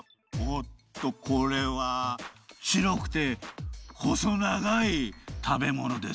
おっとこれはしろくてほそながい食べものです。